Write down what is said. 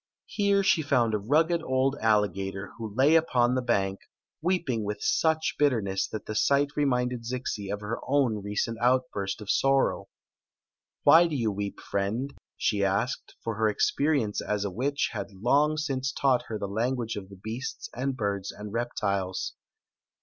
Here she found a rugged old alligator who lay Story of the Magic Cloak 193 upon the bank, weeping with such bitterness that the sight reminded Zixi of her own recent outburst of sorrow. " Why do you weep, friend ?" she asked, for her experience as a witch had bng since taught her the language of the beasts and birds and reptiles.